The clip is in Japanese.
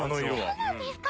そうなんですか！？